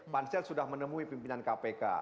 pansel sudah menemui pimpinan kpk